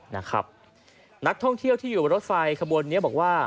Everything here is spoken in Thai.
นักท่องเที่ยวที่อยู่บนรถไฟขบวนนี้บอกว่า